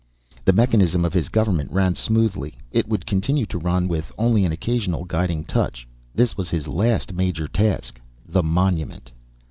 The mechanism of His government ran smoothly; it would continue to run, with only an occasional guiding touch. This was His last major task. The monument.